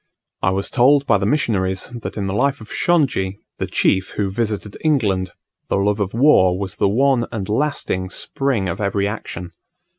I was told by the missionaries that in the life of Shongi, the chief who visited England, the love of war was the one and lasting spring of every action.